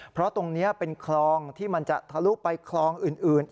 เพราะตรงนี้เป็นคลองที่มันจะทะลุไปคลองอื่น